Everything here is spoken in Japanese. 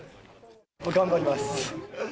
頑張ります。